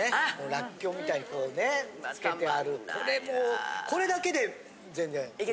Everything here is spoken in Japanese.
らっきょうみたいにこうね漬けてあるこれもこれだけで全然おいしい。